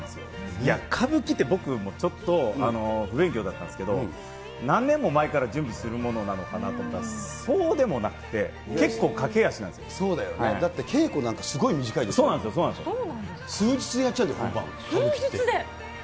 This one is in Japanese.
いや、歌舞伎って僕もちょっと不勉強だったんですけど、何年も前から準備するものなのかなと思ったら、そうでもなくて、結構駆け足なんそうだよね、だって稽古なんそうなんですよ、そうなんで数日でやっちゃうんだよ、数日で？